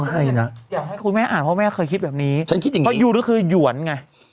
อยากให้คุณแม่อ่านเพราะว่าแม่เคยคิดแบบนี้เพราะยูนก็คือหยวนไง